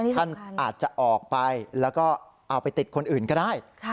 ท่านอาจจะออกไปแล้วก็เอาไปติดคนอื่นก็ได้